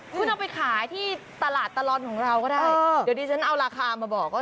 คุณเอาไปขายที่ตลาดตลอดของเราก็ได้เดี๋ยวดิฉันเอาราคามาบอกว่า